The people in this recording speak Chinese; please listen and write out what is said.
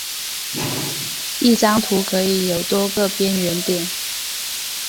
一张图可以有多个边缘点。